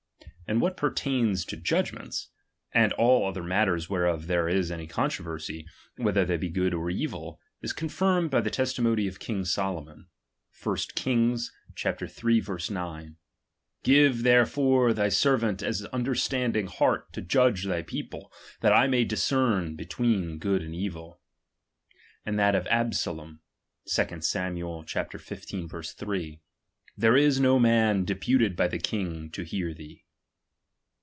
And what pertains to judgments, and all other matters whereof there is any controversy, whether they be good or evil, is confirmed by the testimony of King Solomon, (1 Kings Hi. 9) : Give therefore thy servant an understanding heart to judge thy people, that I may discern between good and evil. And that of Absolom, (2 Sam. xv. 3) : There is no man deputed of the king to hear thee.